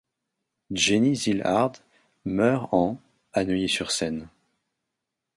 Jenny Zillhardt meurt en à Neuilly-sur-Seine.